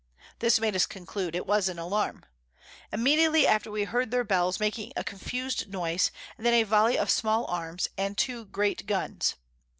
This made us conclude it was an Alarm. Immediately after we heard their Bells making a confused Noise, and then a Volly of Small Arms, and two Great Guns.